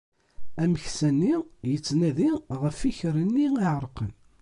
Ameksa yettnadi ɣef yikerri-nni iεerqen.